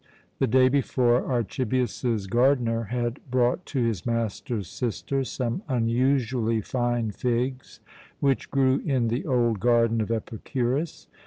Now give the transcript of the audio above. The day before, Archibius's gardener had brought to his master's sister some unusually fine figs, which grew in the old garden of Epicurus.